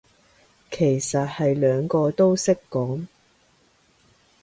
其實係兩個都識講